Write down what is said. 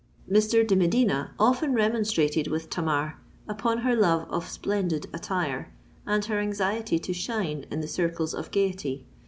Mr. de Medina often remonstrated with Tamar upon her love of splendid attire, and her anxiety to shine in the circles of gaiety.